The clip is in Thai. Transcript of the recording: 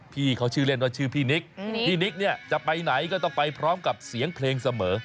พี่เขาชื่อเล่นว่าชื่อพี่นิกพี่นิกเนี่ยจะไปไหนก็ต้องไปพร้อมกับเสียงเพลงเสมอ